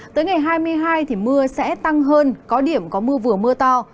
tới ngày hai mươi hai thì mưa sẽ tăng hơn có điểm có mưa vừa mưa to